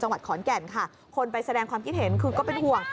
จังหวัดขอนแก่นค่ะคนไปแสดงความคิดเห็นคือก็เป็นห่วง